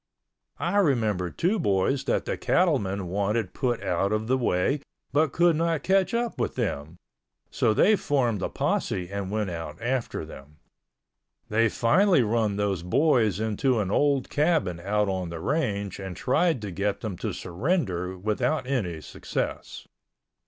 I remember two boys that the cattlemen wanted put out of the way but could not catch up with them, so they formed a posse and went out after them. They finally run those boys into an old cabin out on the range and tried to get them to surrender without any success.